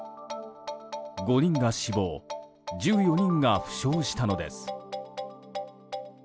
５人が死亡１４人が負傷したのです。